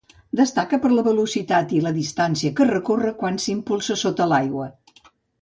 Destaca per la velocitat i la distància que recorre quan s'impulsa sota l'aigua.